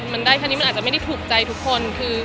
มันได้แค่นี้มันอาจจะไม่ได้ถูกใจทุกคนคือ